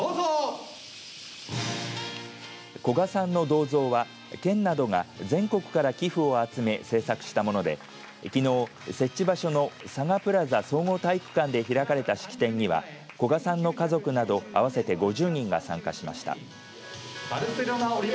古賀さんの銅像は県などが全国から寄付を集め製作したものできのう設置場所のＳＡＧＡプラザ総合体育館で開かれた式典には古賀さんの家族など合わせて５０人が参加しました。